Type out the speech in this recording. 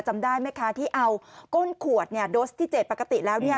จำได้ไหมคะที่เอาก้นขวดโดสที่๗ปกติแล้ว